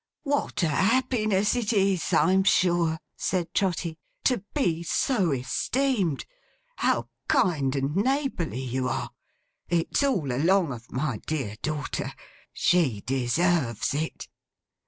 'What a happiness it is, I'm sure,' said Trotty, 'to be so esteemed! How kind and neighbourly you are! It's all along of my dear daughter. She deserves it!